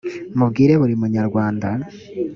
mubwire buri munyarwanda